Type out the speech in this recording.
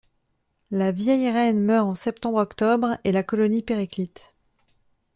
La vieille reine meurt en septembre-octobre et la colonie périclite.